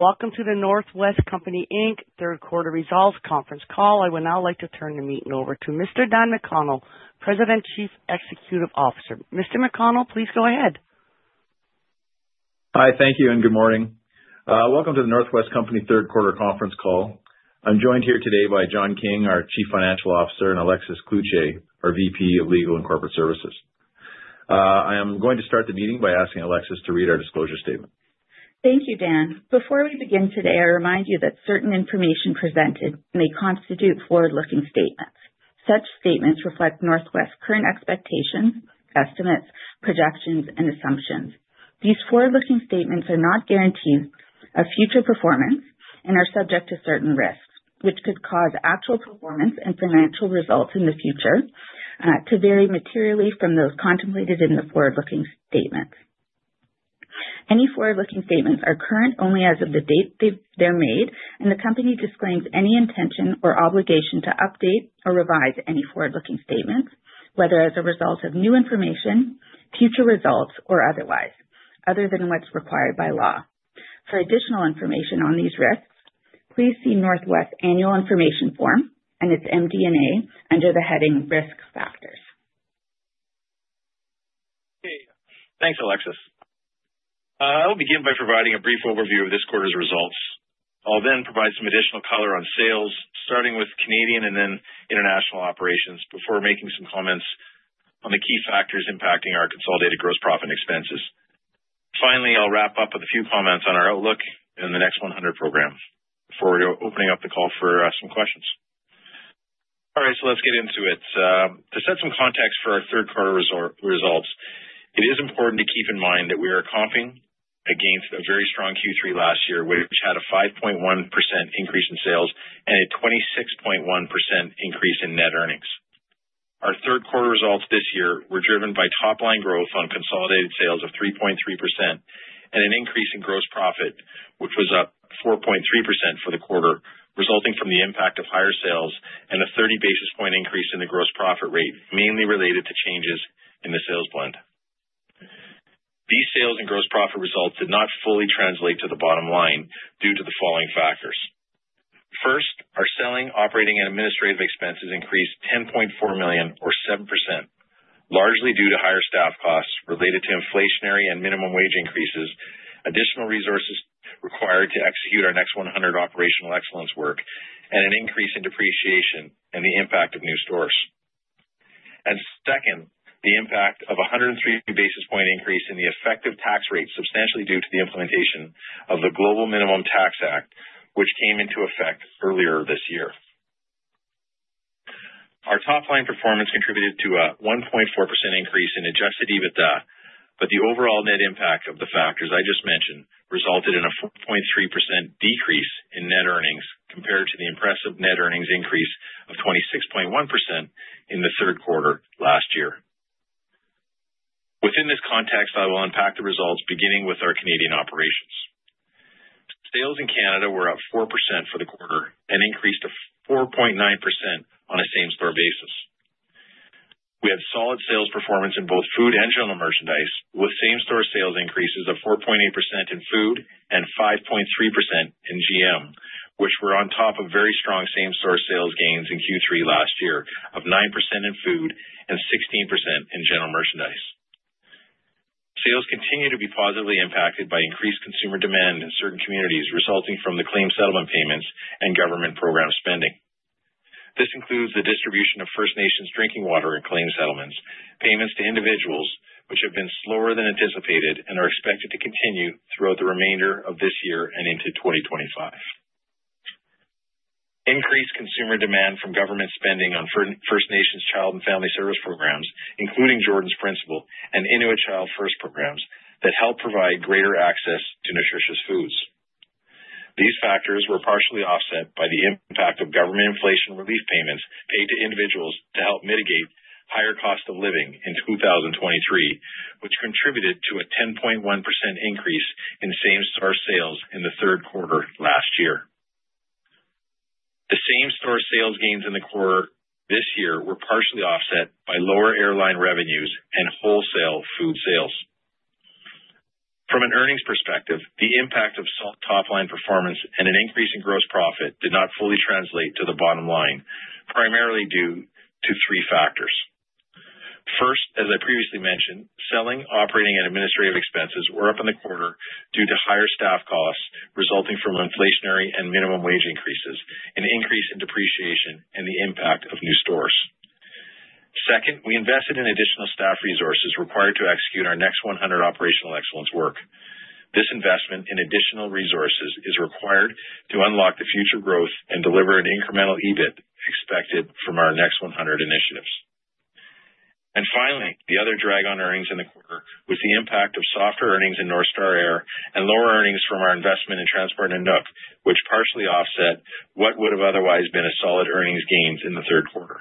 Welcome to The North West Company Inc. Third Quarter Results conference call. I would now like to turn the meeting over to Mr. Dan McConnell, President and Chief Executive Officer. Mr. McConnell, please go ahead. Hi, thank you, and good morning. Welcome to the North West Company Third Quarter conference call. I'm joined here today by John King, our Chief Financial Officer, and Alexis Cloutier, our VP of Legal and Corporate Services. I am going to start the meeting by asking Alexis to read our disclosure statement. Thank you, Dan. Before we begin today, I remind you that certain information presented may constitute forward-looking statements. Such statements reflect North West's current expectations, estimates, projections, and assumptions. These forward-looking statements are not guarantees of future performance and are subject to certain risks, which could cause actual performance and financial results in the future to vary materially from those contemplated in the forward-looking statements. Any forward-looking statements are current only as of the date they're made, and the company disclaims any intention or obligation to update or revise any forward-looking statements, whether as a result of new information, future results, or otherwise, other than what's required by law. For additional information on these risks, please see North West's Annual Information Form and its MD&A under the heading Risk Factors. Thanks, Alexis. I'll begin by providing a brief overview of this quarter's results. I'll then provide some additional color on sales, starting with Canadian and then international operations, before making some comments on the key factors impacting our consolidated gross profit and expenses. Finally, I'll wrap up with a few comments on our outlook and the Next 100 programs before opening up the call for some questions. All right, so let's get into it. To set some context for our third quarter results, it is important to keep in mind that we are comping against a very strong Q3 last year, which had a 5.1% increase in sales and a 26.1% increase in net earnings. Our third quarter results this year were driven by top-line growth on consolidated sales of 3.3% and an increase in gross profit, which was up 4.3% for the quarter, resulting from the impact of higher sales and a 30 basis point increase in the gross profit rate, mainly related to changes in the sales blend. These sales and gross profit results did not fully translate to the bottom line due to the following factors. First, our selling, operating, and administrative expenses increased 10.4 million, or 7%, largely due to higher staff costs related to inflationary and minimum wage increases, additional resources required to execute our Next 100 operational excellence work, and an increase in depreciation and the impact of new stores. Second, the impact of a 103 basis point increase in the effective tax rate substantially due to the implementation of the Global Minimum Tax Act, which came into effect earlier this year. Our top-line performance contributed to a 1.4% increase in adjusted EBITDA, but the overall net impact of the factors I just mentioned resulted in a 4.3% decrease in net earnings compared to the impressive net earnings increase of 26.1% in the third quarter last year. Within this context, I will unpack the results, beginning with our Canadian operations. Sales in Canada were up 4% for the quarter and increased to 4.9% on a same-store basis. We had solid sales performance in both food and general merchandise, with same-store sales increases of 4.8% in food and 5.3% in GM, which were on top of very strong same-store sales gains in Q3 last year of 9% in food and 16% in general merchandise. Sales continue to be positively impacted by increased consumer demand in certain communities, resulting from the claim settlement payments and government program spending. This includes the distribution of First Nations Drinking Water Settlement, payments to individuals, which have been slower than anticipated and are expected to continue throughout the remainder of this year and into 2025. Increased consumer demand from government spending on First Nations Child and Family Services programs, including Jordan's Principle and Inuit Child First Initiative, that help provide greater access to nutritious foods. These factors were partially offset by the impact of government inflation relief payments paid to individuals to help mitigate higher cost of living in 2023, which contributed to a 10.1% increase in same-store sales in the third quarter last year. The same-store sales gains in the quarter this year were partially offset by lower airline revenues and wholesale food sales. From an earnings perspective, the impact of top-line performance and an increase in gross profit did not fully translate to the bottom line, primarily due to three factors. First, as I previously mentioned, selling, operating, and administrative expenses were up in the quarter due to higher staff costs resulting from inflationary and minimum wage increases, an increase in depreciation, and the impact of new stores. Second, we invested in additional staff resources required to execute our Next 100 operational excellence work. This investment in additional resources is required to unlock the future growth and deliver an incremental EBIT expected from our Next 100 initiatives. And finally, the other drag on earnings in the quarter was the impact of softer earnings in North Star Air and lower earnings from our investment in Transport Nanuk, which partially offset what would have otherwise been solid earnings gains in the third quarter.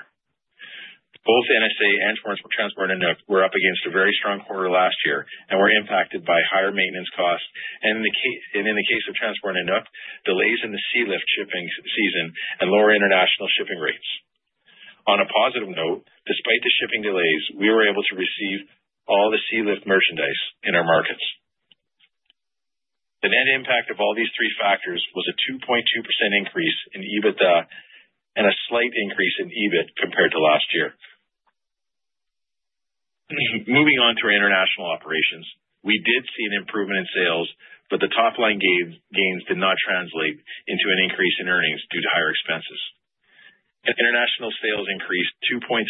Both NSA and Transport Nanuk were up against a very strong quarter last year and were impacted by higher maintenance costs and, in the case of Transport Nanuk, delays in the sealift shipping season and lower international shipping rates. On a positive note, despite the shipping delays, we were able to receive all the sealift merchandise in our markets. The net impact of all these three factors was a 2.2% increase in EBITDA and a slight increase in EBIT compared to last year. Moving on to our international operations, we did see an improvement in sales, but the top-line gains did not translate into an increase in earnings due to higher expenses. International sales increased 2.3%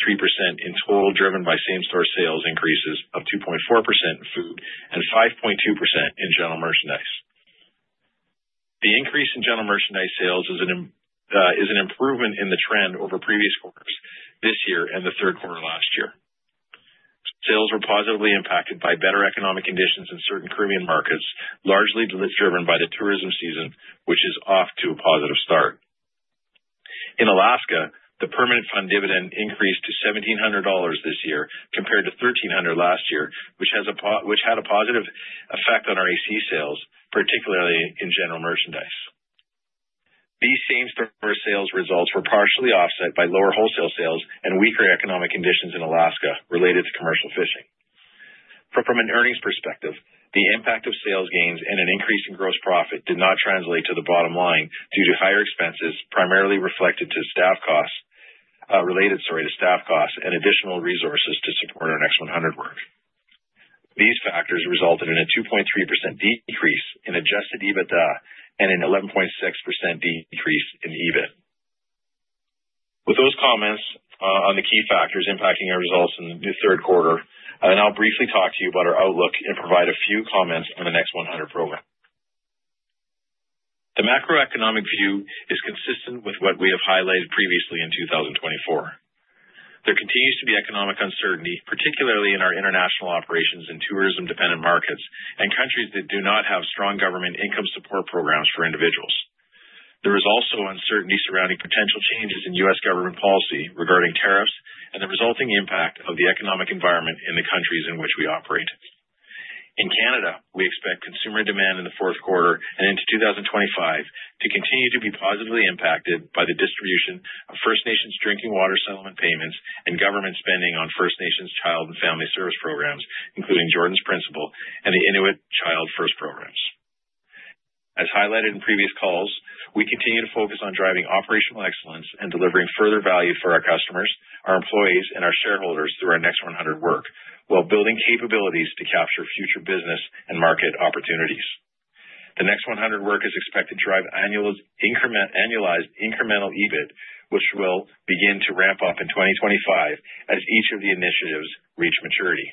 in total, driven by same-store sales increases of 2.4% in food and 5.2% in general merchandise. The increase in general merchandise sales is an improvement in the trend over previous quarters this year and the third quarter last year. Sales were positively impacted by better economic conditions in certain Caribbean markets, largely driven by the tourism season, which is off to a positive start. In Alaska, the Permanent Fund Dividend increased to $1,700 this year compared to $1,300 last year, which had a positive effect on our AC sales, particularly in general merchandise. These same-store sales results were partially offset by lower wholesale sales and weaker economic conditions in Alaska related to commercial fishing. From an earnings perspective, the impact of sales gains and an increase in gross profit did not translate to the bottom line due to higher expenses primarily reflected to staff costs and additional resources to support our Next 100 work. These factors resulted in a 2.3% decrease in Adjusted EBITDA and an 11.6% decrease in EBIT. With those comments on the key factors impacting our results in the third quarter, I'll now briefly talk to you about our outlook and provide a few comments on the Next 100 program. The macroeconomic view is consistent with what we have highlighted previously in 2024. There continues to be economic uncertainty, particularly in our international operations in tourism-dependent markets and countries that do not have strong government income support programs for individuals. There is also uncertainty surrounding potential changes in U.S. government policy regarding tariffs and the resulting impact of the economic environment in the countries in which we operate. In Canada, we expect consumer demand in the fourth quarter and into 2025 to continue to be positively impacted by the distribution of First Nations Drinking Water Settlement payments and government spending on First Nations Child and Family Service programs, including Jordan's Principle and the Inuit Child First Initiative programs. As highlighted in previous calls, we continue to focus on driving operational excellence and delivering further value for our customers, our employees, and our shareholders through our Next 100 work while building capabilities to capture future business and market opportunities. The Next 100 work is expected to drive annualized incremental EBIT, which will begin to ramp up in 2025 as each of the initiatives reach maturity.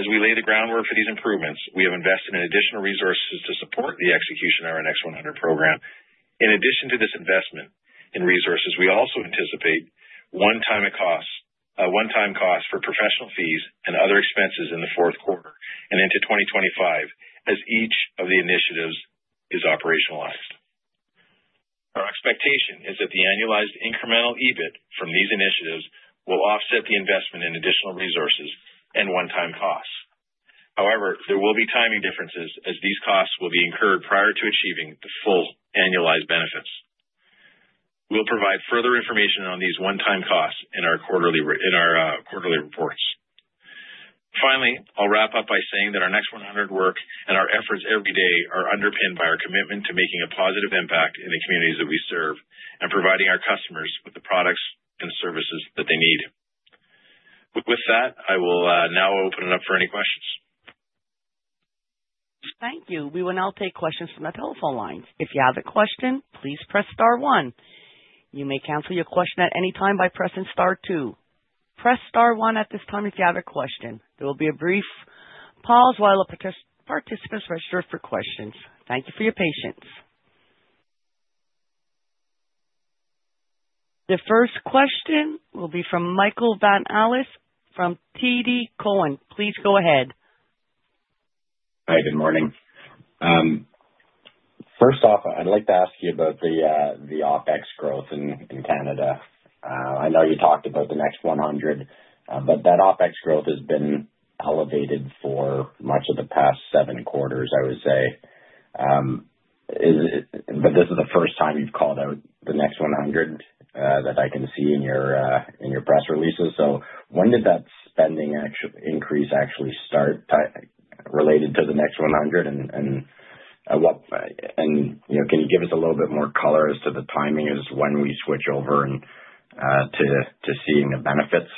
As we lay the groundwork for these improvements, we have invested in additional resources to support the execution of our Next 100 program. In addition to this investment in resources, we also anticipate one-time costs for professional fees and other expenses in the fourth quarter and into 2025 as each of the initiatives is operationalized. Our expectation is that the annualized incremental EBIT from these initiatives will offset the investment in additional resources and one-time costs. However, there will be timing differences as these costs will be incurred prior to achieving the full annualized benefits. We'll provide further information on these one-time costs in our quarterly reports. Finally, I'll wrap up by saying that our Next 100 work and our efforts every day are underpinned by our commitment to making a positive impact in the communities that we serve and providing our customers with the products and services that they need. With that, I will now open it up for any questions. Thank you. We will now take questions from the telephone lines. If you have a question, please press Star 1. You may cancel your question at any time by pressing Star 2. Press Star 1 at this time if you have a question. There will be a brief pause while participants register for questions. Thank you for your patience. The first question will be from Michael Van Aelst from TD Cowen. Please go ahead. Hi. Good morning. First off, I'd like to ask you about the OpEx growth in Canada. I know you talked about the Next 100, but that OpEx growth has been elevated for much of the past seven quarters, I would say. But this is the first time you've called out the Next 100 that I can see in your press releases. So when did that spending increase actually start related to the Next 100? And can you give us a little bit more color as to the timing as when we switch over to seeing the benefits?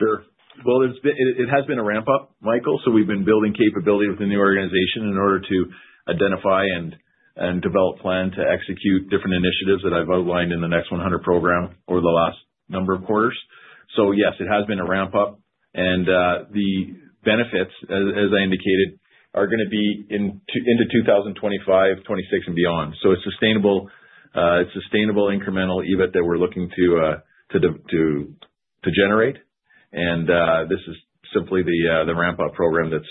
Sure. Well, it has been a ramp-up, Michael, so we've been building capability with the new organization in order to identify and develop a plan to execute different initiatives that I've outlined in the Next 100 program over the last number of quarters. So yes, it has been a ramp-up. And the benefits, as I indicated, are going to be into 2025, 2026, and beyond. So it's sustainable incremental EBIT that we're looking to generate. And this is simply the ramp-up program that's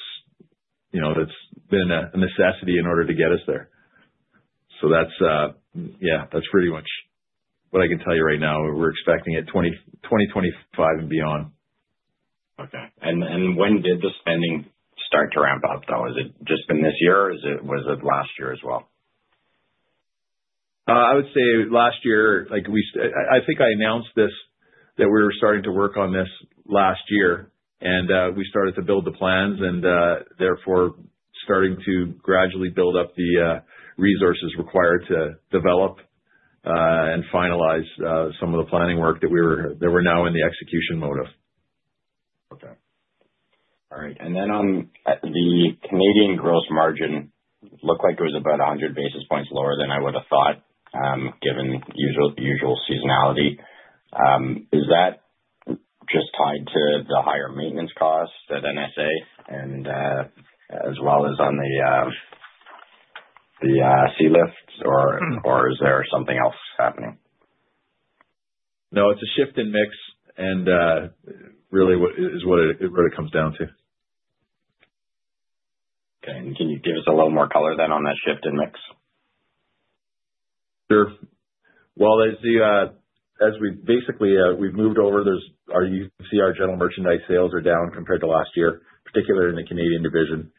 been a necessity in order to get us there. So yeah, that's pretty much what I can tell you right now. We're expecting it 2025 and beyond. Okay.And when did the spending start to ramp up, though? Has it just been this year? Was it last year as well? I would say last year. I think I announced this, that we were starting to work on this last year, and we started to build the plans and therefore starting to gradually build up the resources required to develop and finalize some of the planning work that we were now in the execution mode of. Okay. All right. And then on the Canadian gross margin, it looked like it was about 100 basis points lower than I would have thought, given usual seasonality. Is that just tied to the higher maintenance costs at NSA as well as on the sealifts, or is there something else happening? No, it's a shift in mix, and really is what it comes down to. Okay. And can you give us a little more color then on that shift in mix? Sure. Well, as we basically moved over, you can see our general merchandise sales are down compared to last year, particularly in the Canadian division,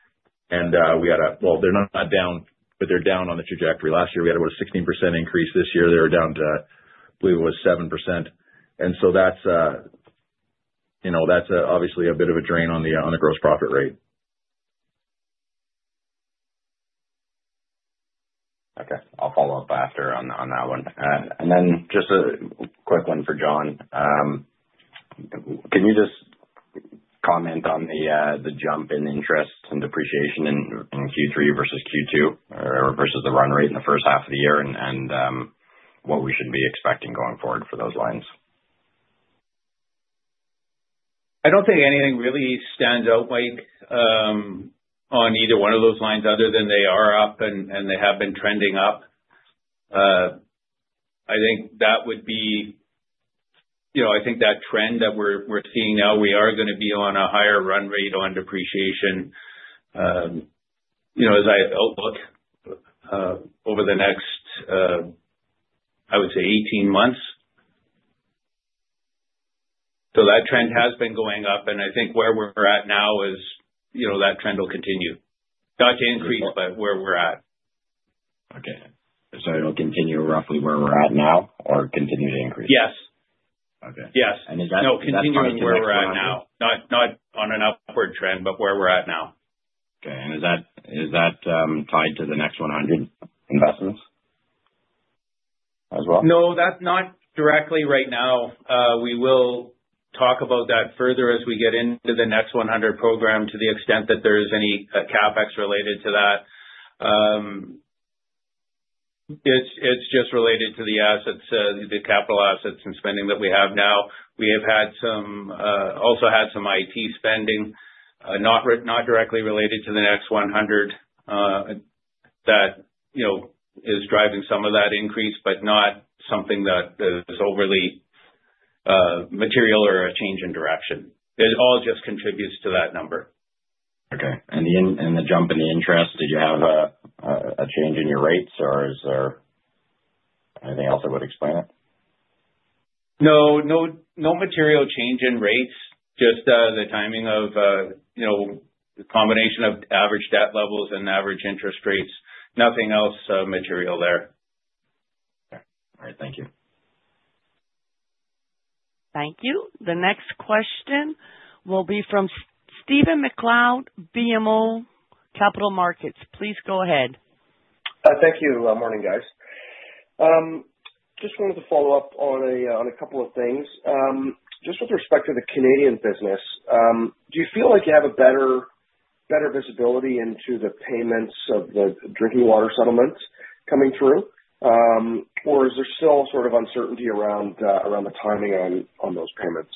and we had, well, they're not down, but they're down on the trajectory. Last year, we had about a 16% increase. This year, they were down to, I believe, it was 7%, and so that's obviously a bit of a drain on the gross profit rate. Okay. I'll follow up after on that one. And then just a quick one for John. Can you just comment on the jump in interest and depreciation in Q3 versus Q2 versus the run rate in the first half of the year and what we should be expecting going forward for those lines? I don't think anything really stands out, Mike, on either one of those lines other than they are up and they have been trending up. I think that would be. I think that trend that we're seeing now, we are going to be on a higher run rate on depreciation as I outlook over the next, I would say, 18 months. So that trend has been going up, and I think where we're at now is that trend will continue. Not to increase, but where we're at. Okay, so it'll continue roughly where we're at now or continue to increase? Yes. Okay. And is that continuing? Yes. No, continuing where we're at now. Not on an upward trend, but where we're at now. Okay, and is that tied to the Next 100 investments as well? No, that's not directly right now. We will talk about that further as we get into the Next 100 program to the extent that there is any CapEx related to that. It's just related to the capital assets and spending that we have now. We have also had some IT spending, not directly related to the Next 100 that is driving some of that increase, but not something that is overly material or a change in direction. It all just contributes to that number. Okay. And the jump in the interest, did you have a change in your rates, or is there anything else that would explain it? No. No material change in rates, just the timing of the combination of average debt levels and average interest rates. Nothing else material there. Okay. All right. Thank you. Thank you. The next question will be from Stephen MacLeod, BMO Capital Markets. Please go ahead. Thank you. Morning, guys. Just wanted to follow up on a couple of things. Just with respect to the Canadian business, do you feel like you have a better visibility into the payments of the drinking water settlements coming through, or is there still sort of uncertainty around the timing on those payments?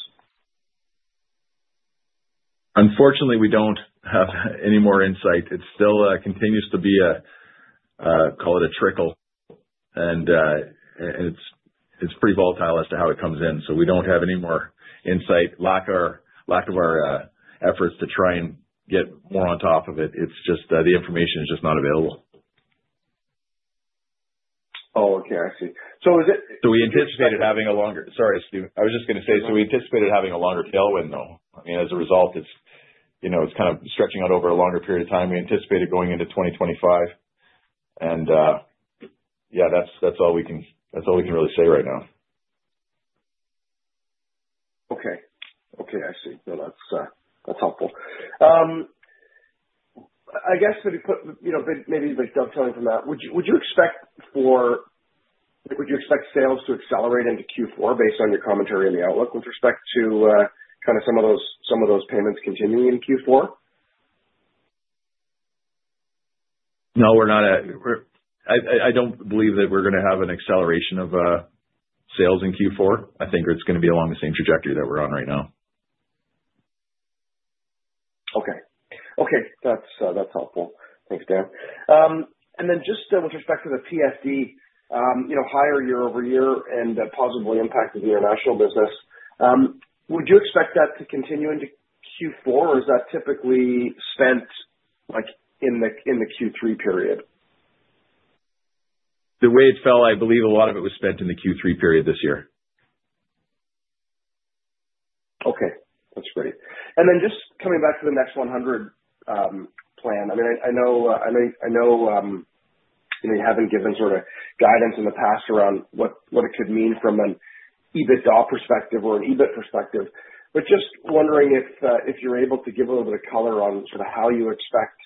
Unfortunately, we don't have any more insight. It still continues to be, call it a trickle, and it's pretty volatile as to how it comes in. So we don't have any more insight, lack of our efforts to try and get more on top of it. It's just the information is just not available. Oh, okay. I see. So is it? So we anticipated having a longer. Sorry, Stephen. I was just going to say, so we anticipated having a longer tailwind, though. I mean, as a result, it's kind of stretching out over a longer period of time. We anticipated going into 2025. And yeah, that's all we can really say right now. Okay. Okay. I see. Well, that's helpful. I guess maybe dovetailing from that, would you expect sales to accelerate into Q4 based on your commentary and the outlook with respect to kind of some of those payments continuing in Q4? No, we're not at, I don't believe that we're going to have an acceleration of sales in Q4. I think it's going to be along the same trajectory that we're on right now. Okay. That's helpful. Thanks, Dan. And then just with respect to the PFD, higher year-over-year and positively impacted the international business, would you expect that to continue into Q4, or is that typically spent in the Q3 period? The way it fell, I believe a lot of it was spent in the Q3 period this year. Okay. That's great. And then just coming back to the Next 100 plan, I mean, I know you haven't given sort of guidance in the past around what it could mean from an EBITDA perspective or an EBIT perspective. But just wondering if you're able to give a little bit of color on sort of how you expect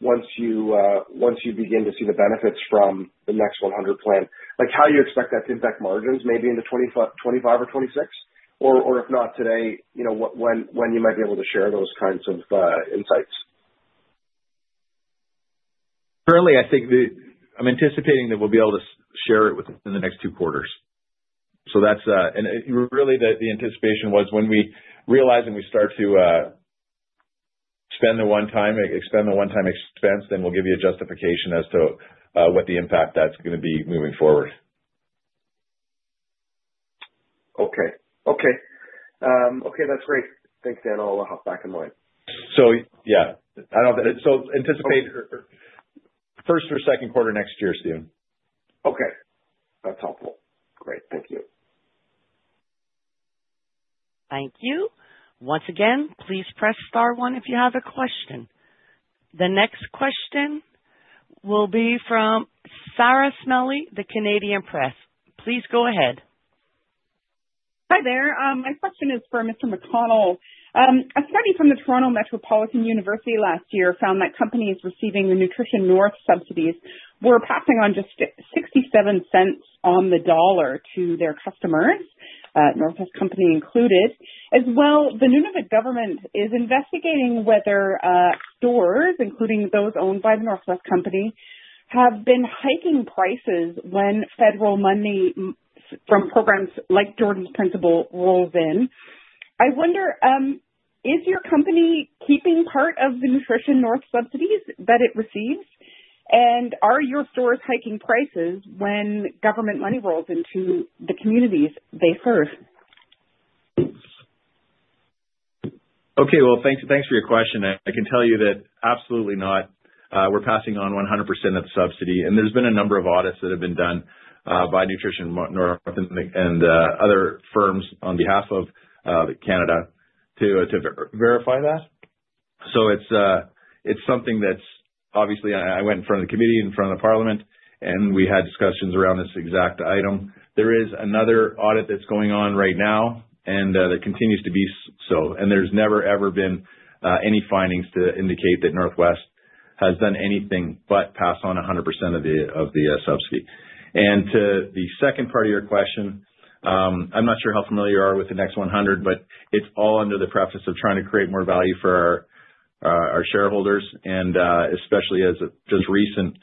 once you begin to see the benefits from the Next 100 plan, how you expect that to impact margins maybe into 2025 or 2026? Or if not today, when you might be able to share those kinds of insights? Currently, I'm anticipating that we'll be able to share it within the next two quarters, and really, the anticipation was when we realize and we start to expend the one-time expense, then we'll give you a justification as to what the impact that's going to be moving forward. Okay. Okay. Okay. That's great. Thanks, Dan. I'll hop back in line. Yeah. I don't know. Anticipate first or second quarter next year, Stephen. Okay. That's helpful. Great. Thank you. Thank you. Once again, please press Star 1 if you have a question. The next question will be from Sarah Smellie, The Canadian Press. Please go ahead. Hi there. My question is for Mr. McConnell. A study from the Toronto Metropolitan University last year found that companies receiving the Nutrition North subsidies were passing on just 67 cents on the dollar to their customers, North West Company included. As well, the Nunavut government is investigating whether stores, including those owned by the North West Company, have been hiking prices when federal money from programs like Jordan's Principle rolls in. I wonder, is your company keeping part of the Nutrition North subsidies that it receives? And are your stores hiking prices when government money rolls into the communities they serve? Okay. Well, thanks for your question. I can tell you that absolutely not. We're passing on 100% of the subsidy. And there's been a number of audits that have been done by Nutrition North and other firms on behalf of Canada to verify that. So it's something that's obviously, I went in front of the committee, in front of the Parliament, and we had discussions around this exact item. There is another audit that's going on right now, and there continues to be so. And there's never, ever been any findings to indicate that North West has done anything but pass on 100% of the subsidy. And to the second part of your question, I'm not sure how familiar you are with the Next 100, but it's all under the preface of trying to create more value for our shareholders. Especially as of just recent,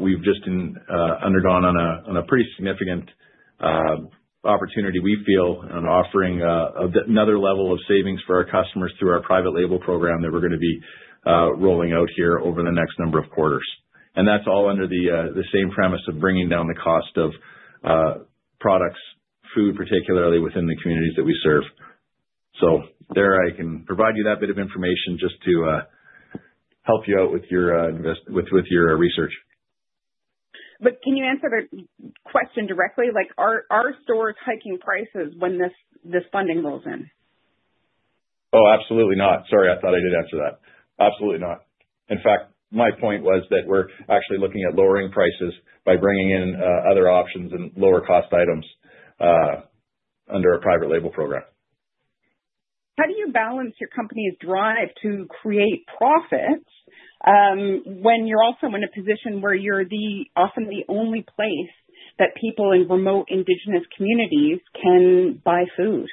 we've just undergone on a pretty significant opportunity, we feel, on offering another level of savings for our customers through our private label program that we're going to be rolling out here over the next number of quarters. That's all under the same premise of bringing down the cost of products, food, particularly within the communities that we serve. There I can provide you that bit of information just to help you out with your research. But can you answer the question directly? Are stores hiking prices when this funding rolls in? Oh, absolutely not. Sorry, I thought I did answer that. Absolutely not. In fact, my point was that we're actually looking at lowering prices by bringing in other options and lower-cost items under a private label program. How do you balance your company's drive to create profits when you're also in a position where you're often the only place that people in remote indigenous communities can buy food?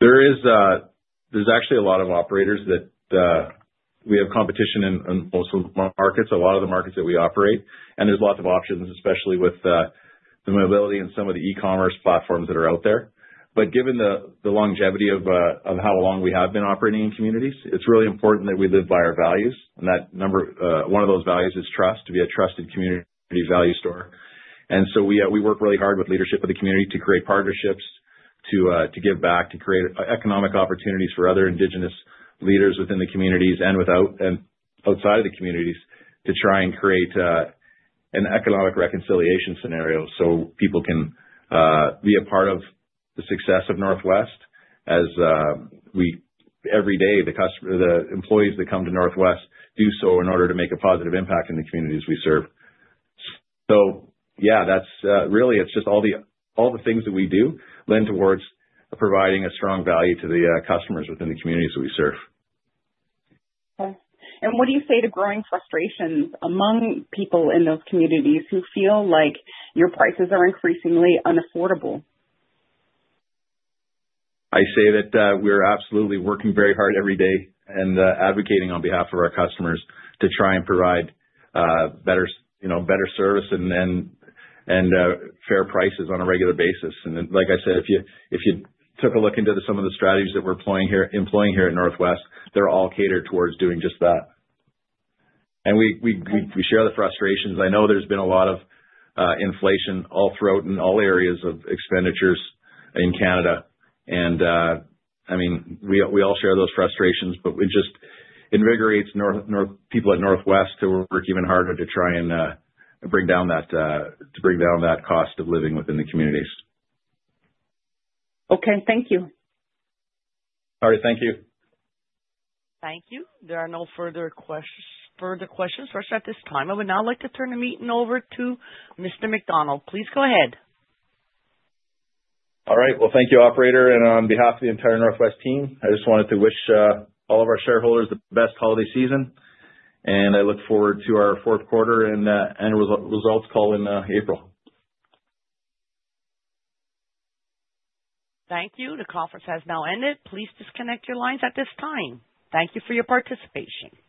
There's actually a lot of operators that we have competition in most of the markets, a lot of the markets that we operate, and there's lots of options, especially with the mobility and some of the e-commerce platforms that are out there, but given the longevity of how long we have been operating in communities, it's really important that we live by our values, and one of those values is trust, to be a trusted community value store, and so we work really hard with leadership of the community to create partnerships, to give back, to create economic opportunities for other indigenous leaders within the communities and outside of the communities to try and create an economic reconciliation scenario so people can be a part of the success of North West. Every day, the employees that come to North West do so in order to make a positive impact in the communities we serve. So yeah, really, it's just all the things that we do lend towards providing a strong value to the customers within the communities that we serve. Okay. And what do you say to growing frustrations among people in those communities who feel like your prices are increasingly unaffordable? I say that we're absolutely working very hard every day and advocating on behalf of our customers to try and provide better service and fair prices on a regular basis. And like I said, if you took a look into some of the strategies that we're employing here at North West, they're all catered towards doing just that. And we share the frustrations. I know there's been a lot of inflation all throughout in all areas of expenditures in Canada. And I mean, we all share those frustrations, but it just invigorates people at North West to work even harder to try and bring down that cost of living within the communities. Okay. Thank you. All right. Thank you. Thank you. There are no further questions for us at this time. I would now like to turn the meeting over to Mr. McConnell. Please go ahead. All right. Well, thank you, operator. And on behalf of the entire North West team, I just wanted to wish all of our shareholders the best holiday season. And I look forward to our fourth quarter and results call in April. Thank you. The conference has now ended. Please disconnect your lines at this time. Thank you for your participation.